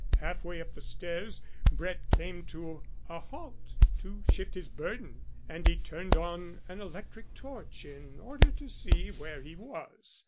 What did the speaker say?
Half way up the stairs Brett came to a halt to shift his burden, and he turned on an electric torch in order to see where he was.